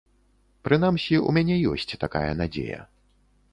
Прынамсі, у мяне ёсць такая надзея.